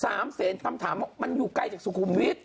สามเศรษฐ์ทำถามว่ามันอยู่ใกล้จากสกุมวิทย์